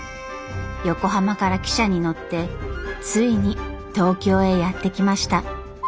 横浜から汽車に乗ってついに東京へやって来ました。